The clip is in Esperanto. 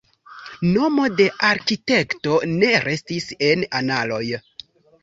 Nomo de arkitekto ne restis en analoj.